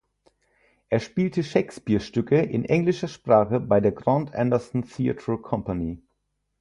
Er spielte Shakespeare-Stücke in englischer Sprache bei der Grant Anderson Theatre Company.